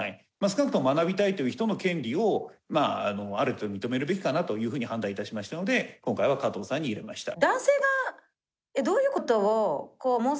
少なくとも学びたいという人の権利をあると認めるべきかなというふうに判断致しましたので今回は加藤さんに入れました。